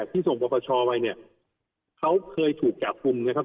ที่ส่งปรปชไว้เนี่ยเขาเคยถูกจับกลุ่มนะครับ